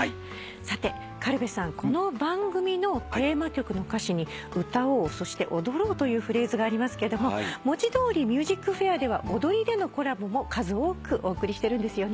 さて軽部さんこの番組のテーマ曲の歌詞に「歌おう」そして「踊ろう」というフレーズがありますけれども文字通り『ＭＵＳＩＣＦＡＩＲ』では踊りでのコラボも数多くお送りしてるんですよね。